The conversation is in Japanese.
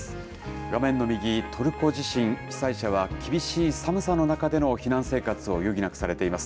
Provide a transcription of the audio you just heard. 画面の右、トルコ地震、被災者は厳しい寒さの中での避難生活を余儀なくされています。